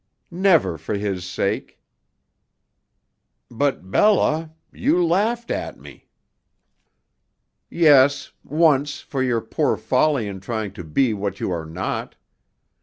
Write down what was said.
"Never for his sake." "But, Bella you laughed at me." "Yes, once, for your poor folly in trying to be what you are not.